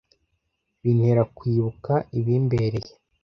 Bintera kwibuka ibimbereye